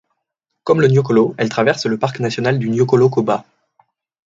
Comme le Niokolo, elle traverse le Parc national du Niokolo-Koba.